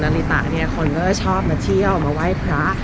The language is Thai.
นิตะเนี่ยคนก็จะชอบมาเที่ยวมาไหว้พระ